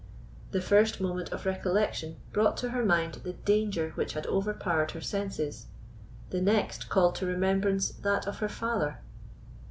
The first moment of recollection brought to her mind the danger which had overpowered her senses; the next called to remembrance that of her father.